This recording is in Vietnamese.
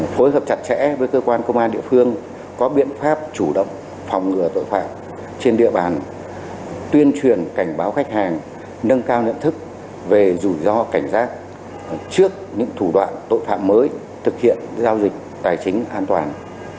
phối hợp chặt chẽ với cơ quan công an địa phương có biện pháp chủ động phòng ngừa tội phạm trên địa bàn tuyên truyền cảnh báo khách hàng nâng cao nhận thức về rủi ro cảnh giác trước những thủ đoạn tội phạm mới thực hiện giao dịch tài chính an toàn